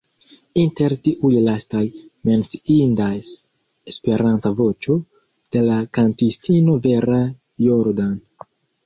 Inter tiuj lastaj menciindas "Esperanta Voĉo", de la kantistino Vera Jordan.